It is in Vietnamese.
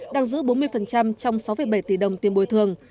đang giữ bốn mươi trong sáu bảy tỷ đồng tiền bồi thường